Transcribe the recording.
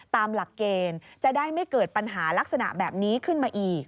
ตามหลักเกณฑ์จะได้ไม่เกิดปัญหาลักษณะแบบนี้ขึ้นมาอีก